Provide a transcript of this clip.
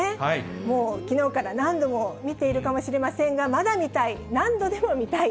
もうきのうから何度も見ているかもしれませんが、まだ見たい、何度でも見たい。